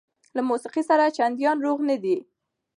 له موسقۍ سره چنديان روغ نه دي